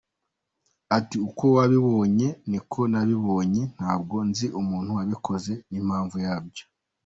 Ati “Uko wabibonye niko nabibonye, ntabwo nzi umuntu wabikoze n’impamvu yabyo.